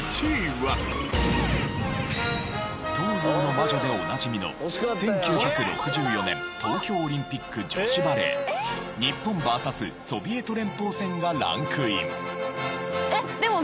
東洋の魔女でおなじみの１９６４年東京オリンピック女子バレー日本ＶＳソビエト連邦戦がランクイン。